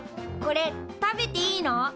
これ食べていいの？